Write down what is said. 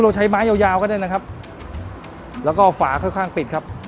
เราใช้ไม้ยาวก็ได้นะครับแล้วก็เอาฝาค่อยปิดครับ